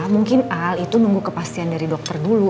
mungkin al itu nunggu kepastian dari dokter dulu